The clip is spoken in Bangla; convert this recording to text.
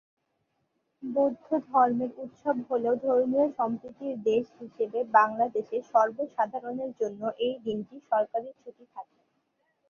বৌদ্ধধর্মের উৎসব হলেও ধর্মীয় সম্প্রীতির দেশ হিসেবে বাংলাদেশে সর্বসাধারণের জন্য এই দিনটি সরকারি ছুটি থাকে।